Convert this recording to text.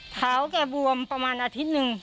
เท้าเกษตรบวมประมาณอาทิตย์นึง